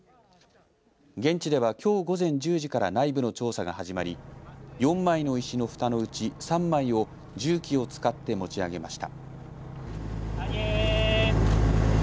現地では、きょう午前１０時から内部の調査が始まり４枚の石のふたのうち３枚を重機を使って持ち上げました。